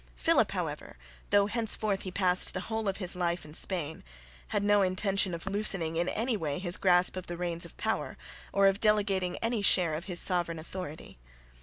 Philip, however, though henceforth he passed the whole of his life in Spain, had no intention of loosening in any way his grasp of the reins of power or of delegating any share of his sovereign authority.